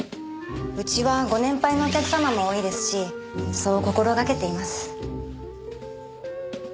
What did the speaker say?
うちはご年配のお客様も多いですしそう心がけています。